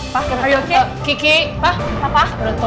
pak kiri kiri pak papa